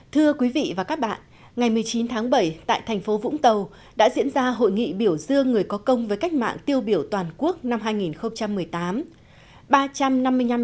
thưa quý vị và các bạn ngày một mươi chín tháng bảy tại thành phố vũng tàu đã diễn ra hội nghị biểu dương người có công với cách mạng tiêu biểu toàn quốc năm hai nghìn một mươi tám